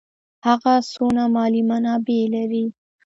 هغه څونه مالي منابع لري.